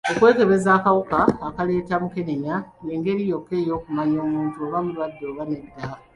Okwekebeza akawuka akaleeta mukenenya y'engeri yokka okumanya omuntu oba mulwadde oba nedda.